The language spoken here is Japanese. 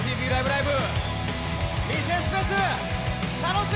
ライブ！」